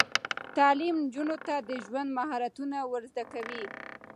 تعلیم نجونو ته د ژوند مهارتونه ور زده کوي.